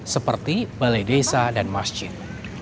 seperti balai desa dan masjid